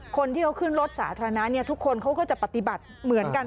คนที่เขาขึ้นรถสาธารณะทุกคนเขาก็จะปฏิบัติเหมือนกัน